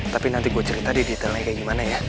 tapi nanti gue cerita deh detailnya kayak gimana ya